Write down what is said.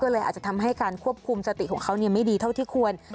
ก็เลยอาจจะทำให้การควบคุมสติของเขาไม่ดีเท่าที่ควร